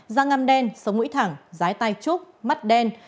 giang ngăm đen sống mũi thẳng giái tay trúc mắt đen